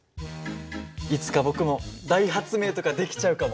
いつか僕も大発明とかできちゃうかも。